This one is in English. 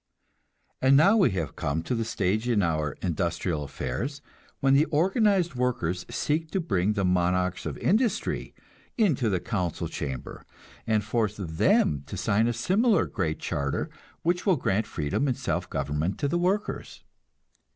And now we have come to the stage in our industrial affairs, when the organized workers seek to bring the monarchs of industry into the council chamber, and force them to sign a similar Great Charter, which will grant freedom and self government to the workers.